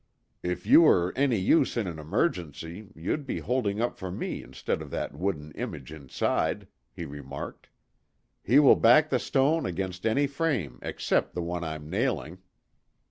"If you were any use in an emergency, you'd be holding up for me instead of that wooden image inside," he remarked. "He will back the stone against any frame except the one I'm nailing."